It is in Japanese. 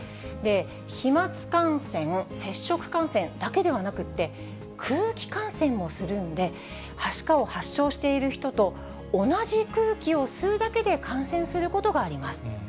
飛まつ感染、接触感染だけではなくて、空気感染もするんで、はしかを発症している人と同じ空気を吸うだけで、感染することがあります。